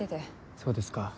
そうですか